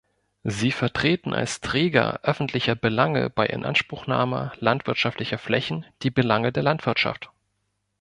Sie vertreten als Träger öffentlicher Belange bei Inanspruchnahme landwirtschaftlicher Flächen die Belange der Landwirtschaft.